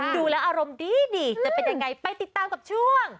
ดูแล้วอารมณ์ดีจะเป็นยังไงไปติดตามกับช่วง